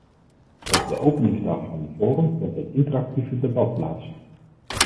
Op de openingsdag van het forum vond het interactieve debat plaats.